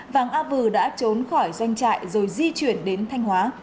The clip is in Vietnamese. vàng a vừ đã trốn khỏi doanh trại rồi di chuyển đến thanh hóa